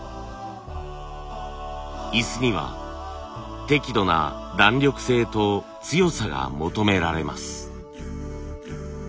椅子には適度な弾力性と強さが求められます。